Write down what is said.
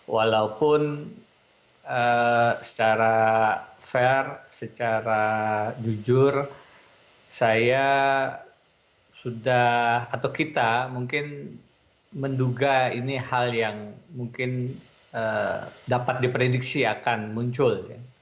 walaupun secara fair secara jujur saya sudah atau kita mungkin menduga ini hal yang mungkin dapat diprediksi akan muncul